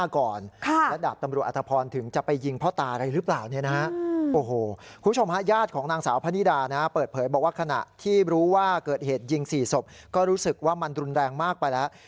เกิดยิง๔ศพก็รู้สึกว่ามันรุนแรงมากไปแล้ว